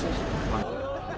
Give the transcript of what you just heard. kapolda juga menegaskan